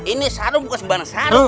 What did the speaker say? ini sarung bukan sembarangan sarung